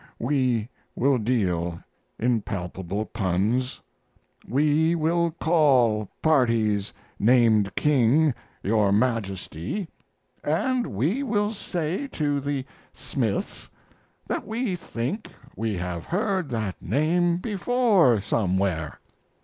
We will deal in palpable puns. We will call parties named King "your Majesty" and we will say to the Smiths that we think we have heard that name before somewhere.